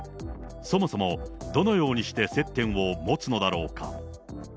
そもそも、どのようにして接点を持つのだろうか。